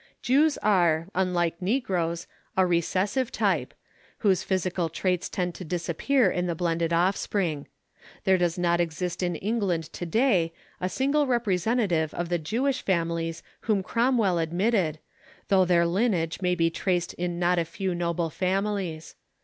Jews are, unlike negroes, a "recessive" type, whose physical traits tend to disappear in the blended offspring. There does not exist in England to day a single representative of the Jewish families whom Cromwell admitted, though their lineage may be traced in not a few noble families.